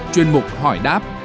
chuyên mục hỏi đáp